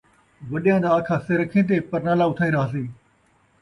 وݙیاں دا آکھا سر اکھیں تے ، پرنالہ اتھائیں رہسی